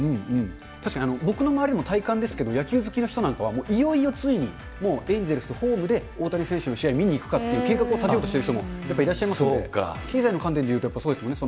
確かに僕の周りでも体感ですけど、野球好きの人なんかは、いよいよついにもうエンゼルス、ホームで大谷選手を見に行くかっていう、計画を立てようとしている人もやっぱりいらっしゃいますね、経済の観点からいえばやっぱりそうですもんね。